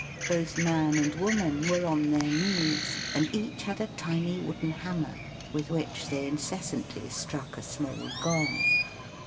Both man and woman were on their knees, and each had a tiny wooden hammer with which they incessantly struck a small gong.